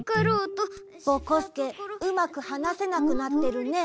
ぼこすけうまくはなせなくなってるね。